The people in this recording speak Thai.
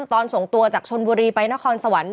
ตอนส่งตัวจากชนบุรีไปนครสวรรค์